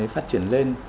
phát triển lên